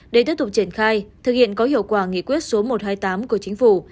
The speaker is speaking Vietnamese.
để tiếp tục triển khai thực hiện có hiệu quả nghị quyết số một trăm hai mươi tám của chính phủ